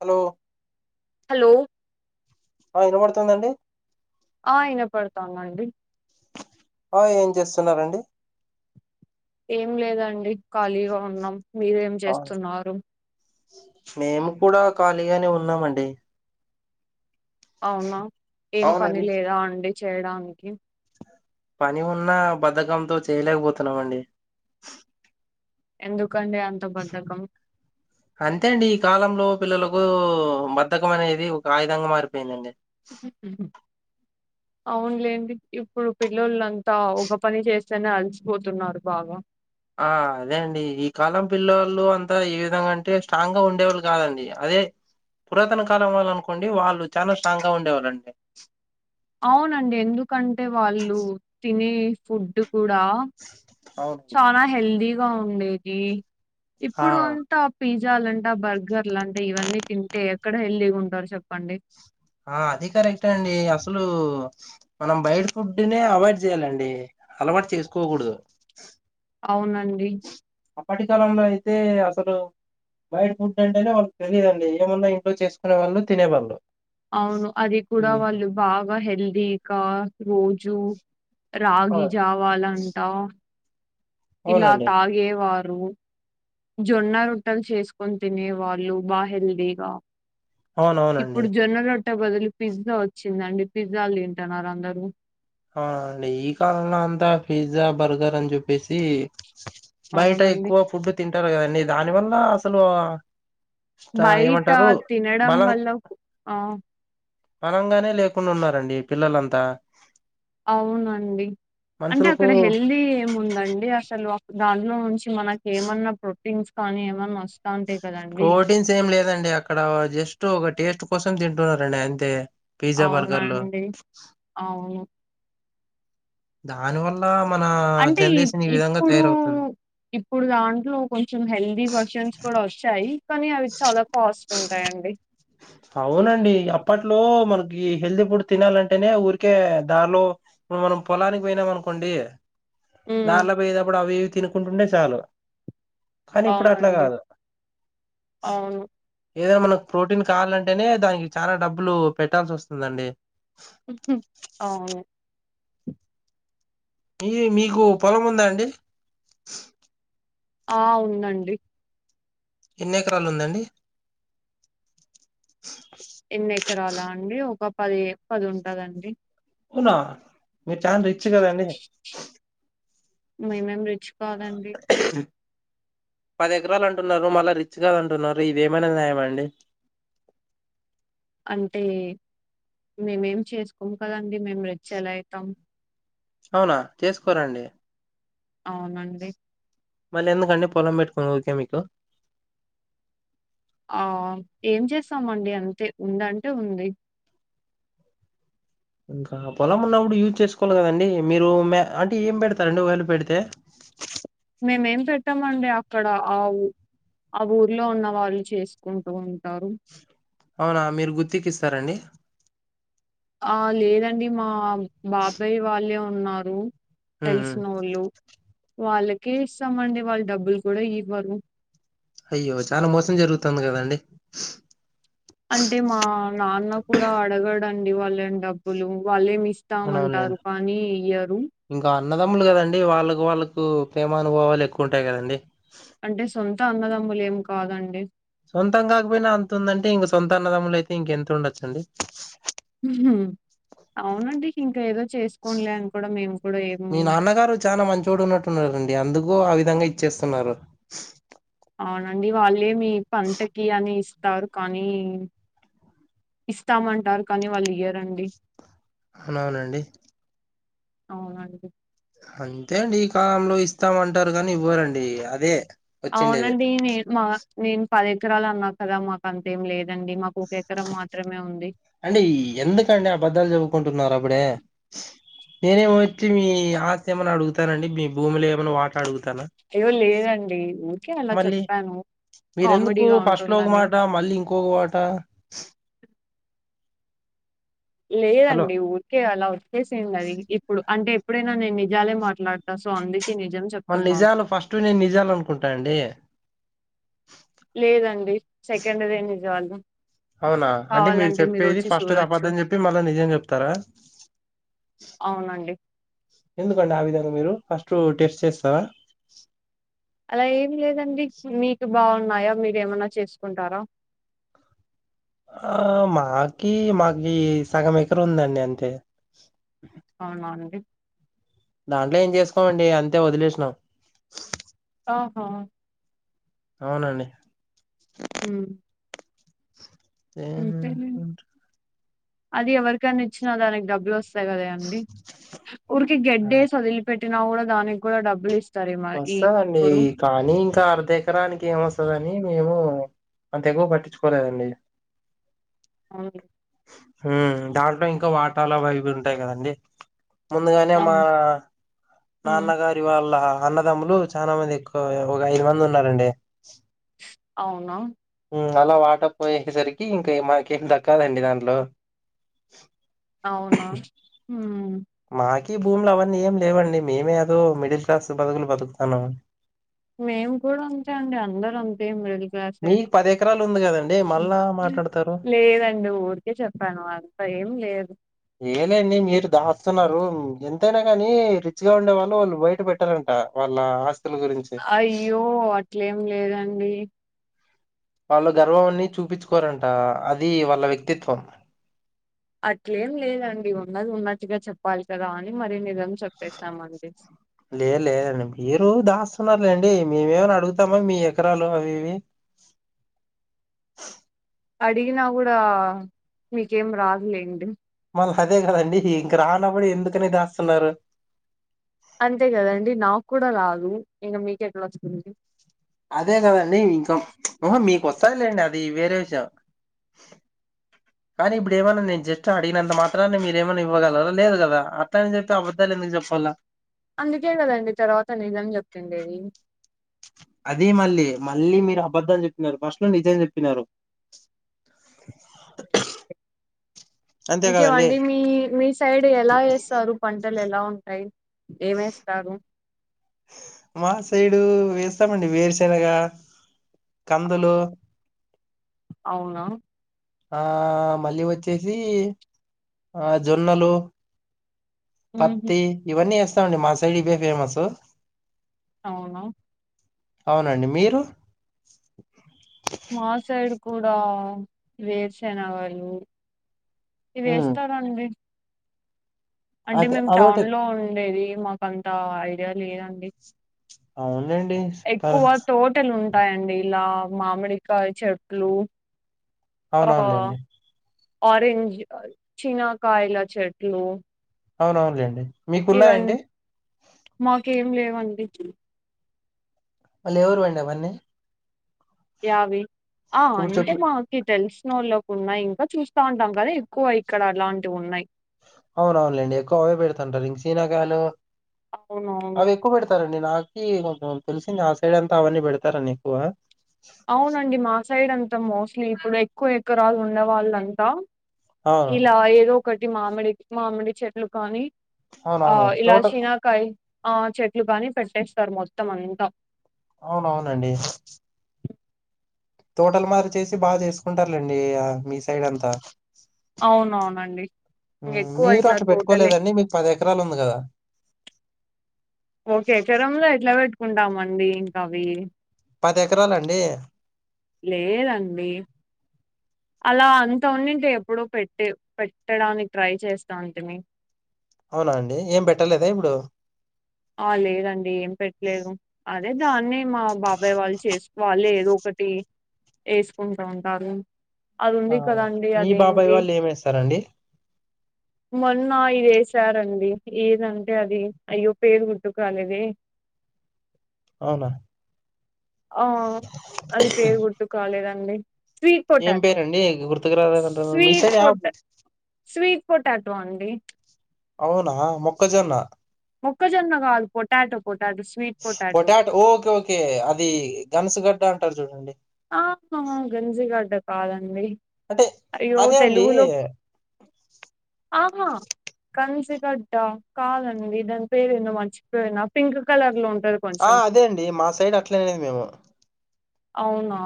Hello hello ఆ వినబడుతుందా అండి ఆ ఇనపడతోందండి ఆ ఏం జేస్తున్నారండి ఏం లేదండి ఖాళీగా ఉన్నాం మీరేం అవును, చేస్తున్నారు మేము కూడా ఖాళీగానే ఉన్నామండి అవునా ఏం పని అవునండి లేదా అండి చేయడానికి పని ఉన్నా బద్దకంతో చేయలేకపోతున్నాం అండి ఎందుకండి అంత బద్దకం అంతే అండి ఈ కాలంలో పిల్లలకూ బద్దకం అనేది ఒక ఆయుధంగా మారిపోయిందండి ఉమ్ హ్ హ్ ఉమ్ [inaudible] అవునులేండి ఇప్పుడు పిల్లలు అంతా ఒక పని చేస్తేనే అలసిపోతున్నారు బాగా ఆ అదే అండి ఈ కాలం పిల్లోళ్ళు అంతా ఏ విధంగా అంటే స్ట్రాంగ్ గా ఉండేవాళ్ళు కాదండి అదే పురాతన కాలం వాళ్ళనుకోండి వాళ్ళు చానా స్ట్రాంగ్ ఉండేవాళ్ళండి అవునండి ఎందుకంటే వాళ్ళు తినే ఫుడ్ కూడా అవును చానా హెల్దీగా ఉండేది ఆ ఇప్పుడు అన్ తా పిజ్జాలంటా, బర్గర్లంటా ఇవన్నీ తింటే ఎక్కడ హెల్దీగుంటారు చెప్పండి ఆ అది కరెక్టే అండి అసలు మనం బయట ఫుడ్ నే అవాయిడ్ చేయ్యాలండి అలవాటు చేసుకోగూడదు అవునండి అప్పటి కాలంలో అయితే అసలు బయట ఫుడ్ అంటేనే వాళ్ళకు తెలియదండి ఏమున్నా ఇంట్లో చేసుకునే వాళ్ళు తినేవాళ్ళు అవును అది ఈ కూడా వాళ్ళు బాగా హెల్దీగా రోజు రాగి అవును జావాలంటా ఇలా అవునండి తాగేవారు రూ జొన్న రొట్టెలు చేసుకొని తినే వాళ్ళు బా హెల్దీగా అవునవునండి ఇప్పుడు జొన్న రొట్టె బదులు పిజ్జా వచ్చిందండి పిజ్జాల్ తింటన్నారు అందరూ ఆ అండి ఈ కాలంలో అంతా పిజ్జా, బర్గర్ అన్ జెప్పేసి బయట అవునండి. ఎక్కువ ఫుడ్ తింటరు కదండీ దాని వల్ల అసలు స్ట- బయట ఏమంటారు తినడం వల్ల ఆ పానంగాని లేకుండా ఉన్నారండి పిల్లలంతా అవునండి అంటే మనుషులకు అక్కడ హెల్దీ ఏముందండి అస్ సలు ఆ ఫుడ్ దాంట్లో నుంచి మనకేమన్నా ప్రోటీన్స్ కానీ ఏమన్న వస్తాంటే కదండి సేమ్ లేదండి అక్కడ జస్ట్ ఒక టేస్ట్ కోసం తింటున్నారండి అంతే పీజ్జా బర్గర్ లు అవునండి. అవును దాని వల్ల మన అంటే ఇప్ జనరేషన్ ఈ విధంగా ఇప్పుడు తయారవుతుంది ఇప్పుడు దాంట్లో కొంచెం హెల్దీ వర్షన్స్ కూడ వచ్చాయి కనీ అవి చాలా కాస్ట్ ఉంటాయండి అవునండి అప్పట్లో మనకి హెల్తీ ఫుడ్ తినాలంటేనే ఊరికే దారిలో ఇప్పుడు మనం పొలానికి పోయినమనుకోండి హ్మ్. దార్ల పోయేదప్పుడు అవి ఇవి తినుకుంటుంటే చాలు కనీ ఇప్పుడట్ల అవునండి. గాదు అవును. ఏదెమన్న మనకు ప్రోటీన్ కావాలంటేనే దానికి చాలా డబ్బులు పెట్టాల్సి వస్తుందండి ఉమ్ హ్ అవును ఈ మీకు పొలం ఉందా అండి ఆ ఉందండి ఎన్నెకరాలు ఉందండి ఎన్ని ఎకరాల అండి ఒక పది పది ఉంటదండి వునా మీరు చాన్ రిచ్ కదండి మేమేం రిచ్ కాదండి పది ఎకరాలు అంటున్నారు, మళ్ళీ రిచ్ గాదు అంటున్నరు, ఇదిమైనా న్యాయమా అండి? అంటే మేమేం చేసుకోము కదండి, మేము రెచ్ ఎలా అయితం? అవునా చేసుకోరా అండి? అవునండి మళ్ళీ ఎందుకండి పొలం పెట్టుకుని ఊక మీకు? ఆ ఏం చేస్తామండి అంతే ఉందంటే ఉంది. ఇంకా పొలం ఉన్నప్పుడు యూజ్ చేసుకోవాలి కదండి, మీరు మే అంటే ఏం పెడతరండి ఒకవేళ పెడితే? మేమేం పెట్టమండి అక్కడ ఆవు ఆ ఊర్లో ఉన్న వాళ్ళు చేసుకుంటూ ఉంటారు. అవునా మీరు గుత్తికి ఇస్తర అండి? ఆ లేదండి మా బాబాయి వాళ్ళే ఉన్నారు. ఉమ్ ఉమ్ తెలిసినోళ్ళు, వాళ్ళకే ఇస్తామండి వాళ్ళ డబ్బులు కూడ ఇవ్వరు. అయ్యో, చాన మోసం జరుగుతుంది కదండి. అంటే మా నాన్న కూడా అడగడండి వాళ్ళన్ డబ్బులు వాళ్ళేమిస్ తామంటారు అవునవునులేండి కానీ ఇయ్యరు ఇంకా అన్నదమ్ములు కదండి, వాళ్ళకు వాళ్ళకు ప్రేమ అనుభవాలు ఎక్కువ ఉంటాయి కదండి. అంటే సొంత అన్నదమ్ములు ఏం కాదండి. సొంతం కాకపోయినా అంటుందటే, ఇంక సొంత అన్నదమ్ములు అయితే ఇంక ఎంత ఉండొచ్చండి. అవునండి ఇంకా ఏదో చేసుకోన్లే అని కూడా మేం కూడ ఏం చాన మంచోడు ఉన్నట్టున్నరండి అందుకు ఆ విధంగ ఇచ్చేస్తున్నరు. అవునండి వాళ్ళేమి పంటకి అనేస్ తారు కానీ, ఇస్తామంటారు కానీ వాళ్ళు ఇయ్యరండి. అవునవునండి అవునండి అంతే అండి ఈ కాలంలో ఇస్తామంటారు కానీ ఇవ్వరండి అదే. వచ్చిండేది అవునండి నేన్ మా నేన్ పది ఎకరాలు అన్నా కదా, మాకు అంతేం లేదండి మాకు ఒక ఎకరం మాత్రమే ఉంది. అండి ఈ ఎందుకండి అబద్దాలు చెప్పుకుంటున్నారు అప్పుడే? నేనేమో వచ్చి మీ ఆస్తి ఏమైన్నా అడుగుతానండి? మీ భూమిల ఏమైన వాట అడుగుతానా? యో లేదండి ఉట్ మళ్ళీ, మీరెందుకు ఫస్ట్ లో ఒక ఉంటుందని. మాట మళ్ళీ ఇంకొక వాట హలో లేదండి ఊ కే అలా వచ్చేసింది అది, ఇప్పుడు అంటే ఎప్పుడైనా నేను నిజాలే మాట్లాడతా సో అందుకే నిజం మల్ చెప్తున్నాను. నిజాలు ఫస్ట్ నేన్ నిజాలు అనుకుంట అండి. లేదండి సెకండ్ దే నిజాలు అవునా అంటే మీరు కావాలంటే చెప్పేది మీరొచ్చి ఫస్ట్ ది చూడొచ్చు. అబద్ధం చెప్పి, మళ్ళ నిజం చెప్తరా? అవునండి ఎందుకండి ఆ విధంగా మీరు ఫస్ట్ టెస్ట్ చేస్తావా? అలా ఏం లేదండి మీకు బాగున్నాయా మీరుమన్నా చేసుకుంటారా? ఆ మాకి మాకి సగం ఎకర ఉందండి అంతే అవునా అండి దాంట్లో ఏం చేసుకోమండి, అంతే వదిలేసినాం. ఓహో అవునండి ఉ అంతే అది ఎవరికైనా ఇచ్చినా దానికి డబ్బులు వస్తు అంతే కద అండి ఊడికి ఏ- గడ్డే వదిలి పెట్టినా కూడా దానికి కూడా డబ్బులు ఇస్త సరె మనకి వస్తదండి ఇప్పుడు కానీ ఇంకా అర్ధ ఎకరానికి ఏమ వస్తుందని మేము అంత ఎక్కువ పట్టించుకోలేదండి [inaudible] అవును ఉమ్మ్ దాంట్లో ఇంకా వాటాల అవి ఉంటాయి కదండి ముందుగానే మా అవును నా హ్మ్ అన్నగారి వాళ్ళ అన్నదమ్ములు చాలా మంది ఎక్కువ ఒక ఐదు మంది ఉన్నారండి అవునా ఉమ్ అలా వాట పోయేసేసరికి ఇంకా మాక ఏం దక్కదండి దాంట్లో అవునా హుమ్ మాక భూములు అవన్నీ ఏం లేవండి మేమే ఏదో మిడిల్ క్లాస్ బతుకులు బతుకుతా ఉన్నాము మేము కూడా అంతే అండి అందరు అంతే మరి లాస్ట్ డే మీకు పది ఎకరాలు ఉంది కదండి మళ్ళా మాట్లాడతారు లేదండి ఊరు అందుకే చెప్పాను అంత ఏం లేదు ఏలేండి మీరు దాస్తున్నారు ఎంతైనా కాని రిచ్ గా ఉండేవాళ్ళు వాళ్ళు బయట పె పెట్టారంట వాళ్ళ ఆస్తుల గురించి అయ్యో అట్లేం లేదండి వాళ్ళు గర్వంన్ని చూపించుకోరంట అది వాళ్ళ వ్యక్తిత్వం అట్లేం లేదండి ఉన్నది ఉన్నట్టుగా చెప్పాలి కదా అని మరి నిజం చెప్పేస్తామండి లే లేదండి మీరు దాస్తున్నారులేండి మేమేమని అడుగుతామ మీ ఎకరాలు అవి ఇవి అడిగినా కూడా మీకేం రాదులేండి మళ్ళీ అదే కదండి ఇంక రానప్పుడు ఎందుకని దాస్తున్నారు అంతే కదండి నాకు కూడా రాదు ఇంక మీకెట్లా వస్తుంది అదే కదండి ఇంకాహ మీకు వస్తాలేండి అది వేరే విషయం [inaudible] కానీ ఇప్పుడు ఏమైన్నా నేను జస్ట్ అడిగినంత మాత్రాన్ని మీరుమన్నా ఇవ్వగలరా లేదుదా అత్త అని చెప్పి అట్లు ఎందుకు చెప్పాలా అందుకే కదండి తర్వాత నిజం చెప్పిండేది అద మళ్ళీ మళ్ళీ మీరు అబద్ధం అని చెప్పినారు ఫస్ట్ లో నిజం చెప్పినారు అంతే కదండి ఇంకేవండి మీ మీ సైడ్ ఎలా వేస్తారు పంటలు ఎలా ఉంటాయి ఏం వేస్తారు మా సైడు వేస్తామండి వేరుశనగా కందులు ఆహా అవునా ఆ మళ్ళీ వచ్చేసి ఆ జొన్నలు ఉహు పత్తి ఇవన్నీ వేస్తామండి మా సైడ్ ఇవే ఫేమస్ అవునా అవునండి మీరు మా సైడ్ కూడా వేరుశనగలు ఇవి ఉమ్, ఎస్తారా అండి అంటే అదే మేము టౌన్ అదొకటి లో ఉండేది మాకు అంత ఐడియా లేదండి అవునులేండి ఆ, ఎక్కువ తో తోటలు ఉంటాయండి ఇలా మామిడికాయ చెట్లు ఆ అవునవునులేండి ఆరెంజ్ చినకాయల చెట్లు అవును అవునులేండి ఇవన్ మాకేం లేవండి మళ్ళీ ఎవరివండి అవన్నీ యావి ఆ ఇప్పుడు అంటే చెప్పు మా కి తెలిసినోళ్ళకి ఉన్నాయి ఇంకా చూస్తా ఉంటాం కదా ఎక్కువ ఇక్కడ అలాంటివి ఉన్నాయి అవును అవునులేండి ఎక్కువ అవే పెడుతుంటారు ఇంగ సీనాకాయలు [unintelligible] ఎక్కువ పెడతారండి నాకి కొంచెం తెలిసింది ఆ సైడ్ అంతా అవన్నీ పెడతారనీ ఎక్కువ అవునండి మా సైడ్ అంతా మోస్ట్లీ ఇప్పుడు ఎక్కువ ఎకరాలు ఉన్నవాళ్ళంతా అవును ఇలా ఏదో ఒకటి మామిడి మామిడి చెట్లు కానీ ఆ అవునవును ఇలా తోట శీనా కాయ్ ఆ చెట్లుగాని పెట్టేస్తారు మొత్తం అంతా అవును అవునండి తోటలు మాదిరి చేసి బాగా చేసుకుంటారులేండి ఆ మీ సైడ్ అంతా అవునవునండి ఉ ఎక్కువ మీరు ఇట్లా అట్లా తోటలే పెట్టుకోలేదా అండి మీకు పది ఎకరాలు ఉంది కదా ఒక ఎకరంలో ఎట్లా పెట్టుకుంటాం అండి ఇంకా అవి పది ఎకరాలు అండి లేదండి అలా అంత ఉన్నింటె ఎప్పుడో పెట్టి పెట్టడానికి ట్రై చేస్తాంటిమి అవునా అండి ఏం పెట్టలేదా ఇప్పుడు ఆ లేదండి ఏం పెట్లేదు అదే దాన్ని మా బాబాయ్ వాళ్ళు చేసుకో వాళ్ళేఏదో ఒకటి వేసుకుంటా ఉంటారు అది ఆ ఉంది కదాండి మీ బాబాయ్ అదేంటి వాళ్ళు ఏమేస్తారండి మొన్న ఇది ఏసారండి ఏదంటే అది అయ్యో పేరు గుర్తుకు రాలేదే అవున ఆ అది పేరు గుర్తుకు రాలేదండి స్వీట్ ఏం పొటాటో పేరండి గుర్తుకు రాలేదంటున్నారు మీ స్వీట్ సైడ్ యాపు పొటా స్వీట్ పొటాటో అండి అవునా మొక్కజొన్న మొక్కజొన్న కాదు potato potato potato okay okay అది గనుసుగడ్డ అంటారు చూడండి ఆ హా గనుసుగడ్డ కాదండి అంటే అయ్యో అదే అండి తెలుగులో ఆహా కనుసుగడ్డ కాదండి దాని పేరు ఏందో మర్చిపోయినా పింక్ కలర్ లో ఉంటది ఆ కొంచెం అదే అండి మా సైడ్ అట్లే అనేది మేము అవునా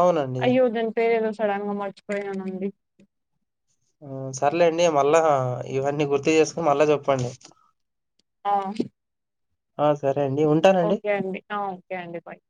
అవునండి అయ్యో దాని పేరేదో సడన్ గా మర్చిపోయాను అండి ఆ సర్లేండి మళ్ళా ఇవన్నీ గుర్తు చేసుకుని మళ్ళా చెప్పండి ఆ ఆ సరే అండి ఉం ఓకే అండి ఆ ఓకే అండి బాయ్